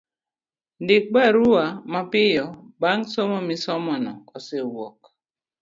Ndik barua mapiyo bang' somo misomono osewuok